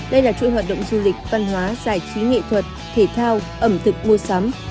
đây là chuỗi hoạt động du lịch văn hóa giải trí nghệ thuật thể thao ẩm thực mua sắm